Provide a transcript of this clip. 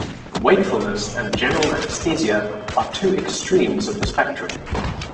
Wakefulness and general anesthesia are two extremes of the spectrum.